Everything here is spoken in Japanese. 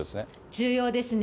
重要ですね。